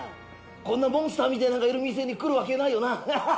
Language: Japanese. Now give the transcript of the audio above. このモンスターみたいなんがいる店に来るわけないわ。